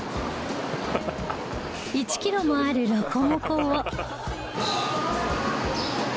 １キロもあるロコモコを。